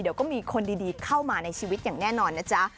เดี๋ยวก็มีคนดีเข้ามาในชีวิตอย่างแน่นอนนะจ๊ะ